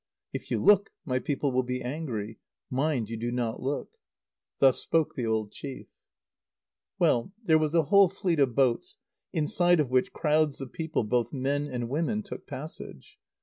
If you look, my people will be angry. Mind you do not look." Thus spoke the old chief. Well, there was a whole fleet of boats, inside of which crowds of people, both men and women, took passage.